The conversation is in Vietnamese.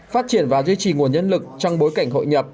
phát triển và duy trì nguồn nhân lực trong bối cảnh hội nhập